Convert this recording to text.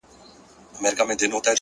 حوصله د ستونزو دروازه پرانیزي,